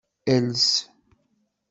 Els.